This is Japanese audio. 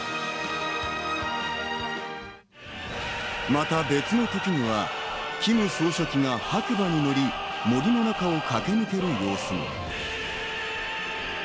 また別の時には、キム総書記が白馬に乗り、森の中をかける様子も。